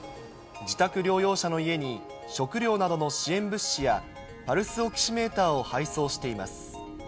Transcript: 自宅療養者の家に、食料などの支援物資やパルスオキシメーターを配送しています。